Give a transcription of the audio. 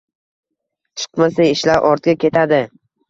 chiqmasa, ishlar ortga ketadi.